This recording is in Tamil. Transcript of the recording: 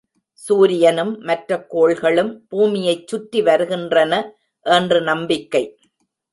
சூரியனும், மற்ற கோள்களும் பூமியைச்சுற்றி வருகின்றன என்று நம்பிக்கை.